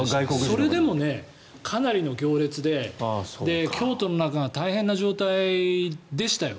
それでもかなりの行列で京都の中が大変な状態でしたよ。